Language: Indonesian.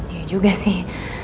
iya juga sih